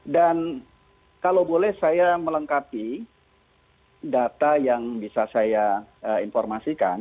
dan kalau boleh saya melengkapi data yang bisa saya informasikan